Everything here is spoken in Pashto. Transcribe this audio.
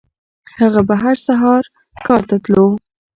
هغه به هر سهار کار ته تلو.